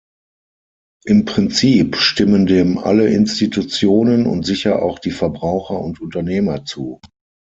Im Prinzip stimmen dem alle Institutionen und sicher auch die Verbraucher und Unternehmer zu.